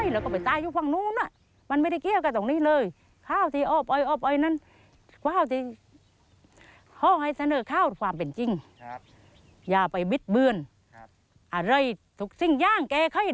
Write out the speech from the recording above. เรามาแห้นหน้านั้นมาทำการดักจับกวาง